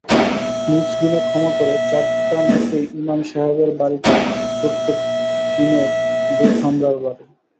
নিজ গুণে ক্ষমা করে চারটা মুখে ইমাম সাহেবের বাড়িটা ছোট্ট টিনের দু-কামরার বাড়ি।